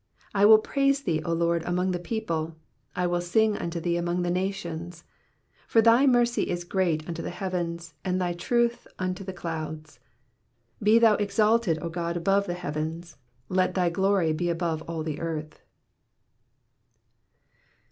9 I will praise thee, O Lord, among the people : I will sing unto thee among the nations. ID For thy mercy is great unto the heavens, and thy truth . unto the clouds. 1 1 Be thou exalted, O God, above the heavens : let thy glory be above all the earth.